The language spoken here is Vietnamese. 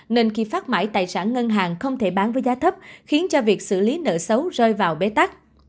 nên khi phát mãi tài sản ngân hàng không thể bán với giá thấp khiến cho việc xử lý nợ xấu rơi vào bế tắc